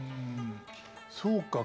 そうか。